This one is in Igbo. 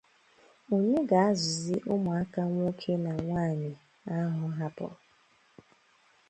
Onye ga-azụzị ụmụaka nwoke na nwaanyị ahụ hapụrụ?